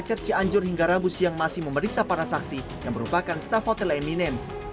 kacet cianjur hingga rabu siang masih memeriksa para saksi yang merupakan staff hotel eminens